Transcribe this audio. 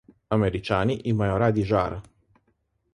Američani imajo radi žar.